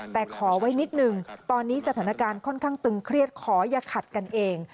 แต่ขอไว้นิดนึงตอนนี้สถานการณ์ค่อนข้างตึงเครียดขออย่าขัดกันเอง